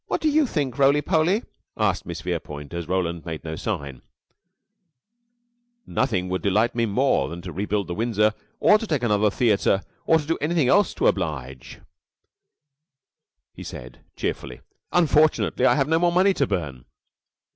"What do you think, Roly poly?" asked Miss Verepoint, as Roland made no sign. "Nothing would delight me more than to rebuild the Windsor, or to take another theater, or do anything else to oblige," he said, cheerfully. "Unfortunately, I have no more money to burn."